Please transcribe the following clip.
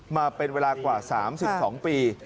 มาเป็นเวลากว่า๓๒ปี